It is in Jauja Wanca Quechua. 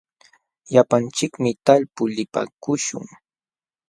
Llapanchikmi talpuu lipaakuśhun.